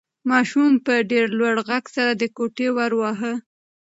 ماشوم په ډېر لوړ غږ سره د کوټې ور واهه.